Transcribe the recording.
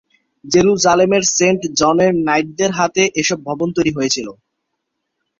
জেরুজালেমের সেন্ট জনের নাইটদের হাতে এসব ভবন তৈরি হয়েছিলো।